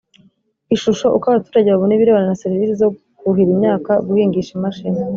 Ishusho Uko abaturage babona ibirebana na serivisi zo kuhira imyaka guhingisha imashini